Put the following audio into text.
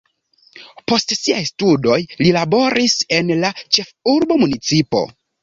Post siaj studoj li laboris en la ĉefurba municipo.